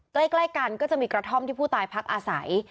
ใกล้กันก็จะมีกระท่อมที่ผู้ตายพักอาศัย